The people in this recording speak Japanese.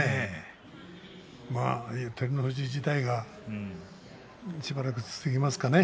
照ノ富士時代がしばらく続きますかね。